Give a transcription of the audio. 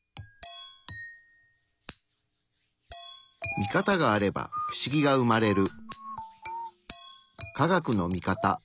見方があれば不思議が生まれる。